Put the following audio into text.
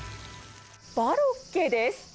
バロッケです。